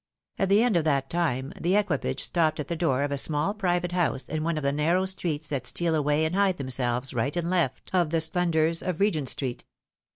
At the end of that time, the equipage stopped at the door of a small private housfe in one of the narrow streets that steal away and hide them selves right and left of the splendours of Regent street.